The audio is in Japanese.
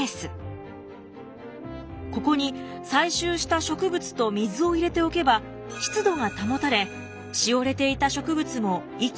ここに採集した植物と水を入れておけば湿度が保たれしおれていた植物も息を吹き返すのです。